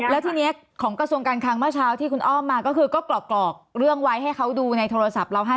แล้วทีนี้ของกระทรวงการคังเมื่อเช้าที่คุณอ้อมมาก็คือก็กรอกเรื่องไว้ให้เขาดูในโทรศัพท์เราให้